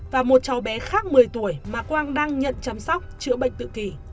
và một cháu bé khác một mươi tuổi mà quang đang nhận chăm sóc chữa bệnh tự kỷ